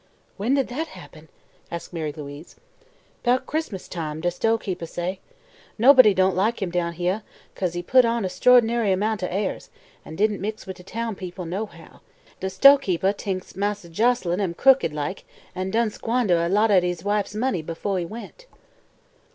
"When did that happen?" asked Mary Louise. "'Bout Chris'mas time, de stoahkeepah say. Nobody don't like him down heah, 'cause he put on a 'strord'nary 'mount o' airs an' didn't mix wid de town people, nohow. De stoahkeepeh t'inks Marse Joselyn am crooked like an' done squandeh a lot o' he wife's money befoh he went."